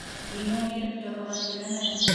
Миңә биреп торорға теләмәнең.